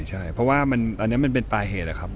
ใช่เพราะว่าอันนี้มันเป็นปลายเหตุนะครับ